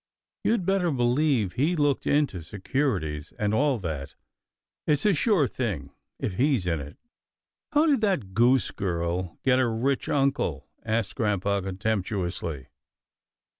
You'd better believe he looked into securities and all that. It's a sure thing, if he's in it." "How did that goose girl get a rich uncle?" asked grampa contemptuously.